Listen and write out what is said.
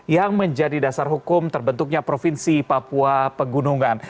yang menjadi dasar hukum terbentuknya provinsi papua pegunungan